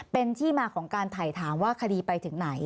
เป็นที่มาของการถ่ายถามว่าคดีไปถึงไหน